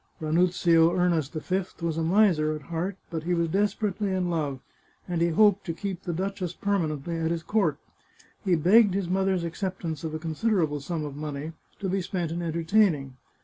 Ranuzio Ernest V was a miser at heart, but he was des perately in love, and he hoped to keep the duchess perma nently at his court. He begged his mother's acceptance of a considerable sum of money, to be spent in entertaining.